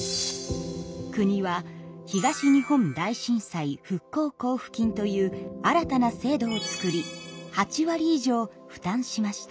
国は東日本大震災復興交付金という新たな制度を作り８割以上負担しました。